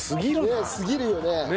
ねえすぎるよね。